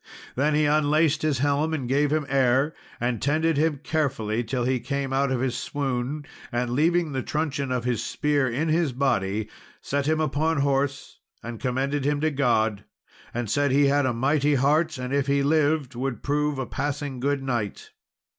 Then he unlaced his helm and gave him air, and tended him carefully till he came out of his swoon, and leaving the truncheon of his spear in his body, he set him upon horse, and commended him to God, and said he had a mighty heart, and if he lived would prove a passing good knight.